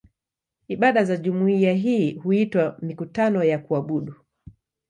Ibada za jumuiya hii huitwa "mikutano ya kuabudu".